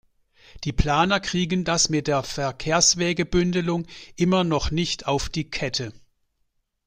Die Planer kriegen das mit der Verkehrswegebündelung immer noch nicht auf die Kette.